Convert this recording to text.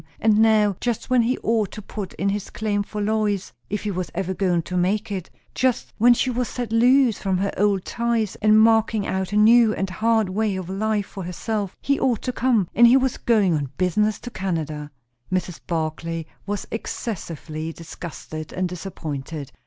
And now, just when he ought to put in his claim for Lois, if he was ever going to make it; just when she was set loose from her old ties and marking out a new and hard way of life for herself, he ought to come; and he was going on business to Canada! Mrs. Barclay was excessively disgusted and disappointed.